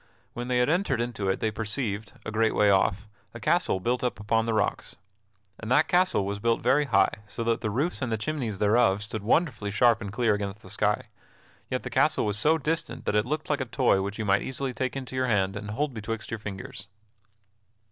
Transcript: When they had entered into it they perceived, a great way off, a castle built up upon the rocks. And that castle was built very high, so that the roofs and the chimneys thereof stood wonderfully sharp and clear against the sky; yet the castle was so distant that it looked like a toy which you might easily take into your hand and hold betwixt your fingers.